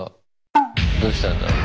どうしたんだろう。